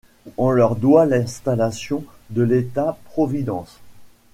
On leur doit l'installation de l’État providence.